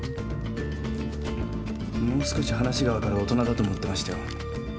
もう少し話が分かる大人だと思ってましたよ。